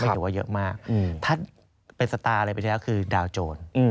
ไม่อยู่ว่าเยอะมากถ้าเป็นสตาร์อะไรปีที่แล้วคือดาวโจร